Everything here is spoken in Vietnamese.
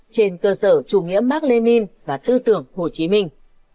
trên cơ sở chủ nghĩa mark lenin và tư tưởng hồ chí minh